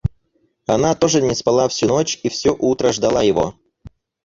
Она тоже не спала всю ночь и всё утро ждала его.